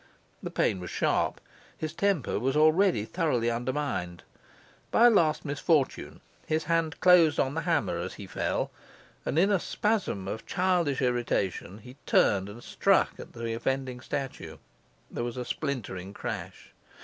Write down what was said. The pain was sharp; his temper was already thoroughly undermined; by a last misfortune his hand closed on the hammer as he fell; and, in a spasm of childish irritation, he turned and struck at the offending statue. There was a splintering crash.